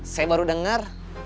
saya baru dengar